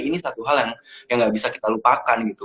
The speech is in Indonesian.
ini satu hal yang nggak bisa kita lupakan gitu